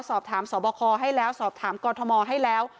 สอบถามสบคให้แล้วสกคให้แล้ว